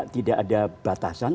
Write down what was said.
tidak ada batasan